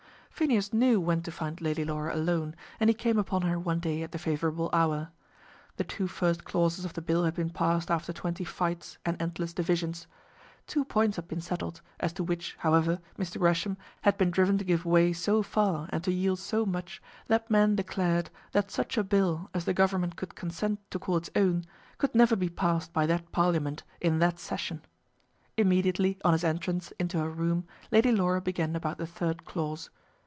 Phineas knew when to find Lady Laura alone, and he came upon her one day at the favourable hour. The two first clauses of the bill had been passed after twenty fights and endless divisions. Two points had been settled, as to which, however, Mr. Gresham had been driven to give way so far and to yield so much, that men declared that such a bill as the Government could consent to call its own could never be passed by that Parliament in that session. Immediately on his entrance into her room Lady Laura began about the third clause.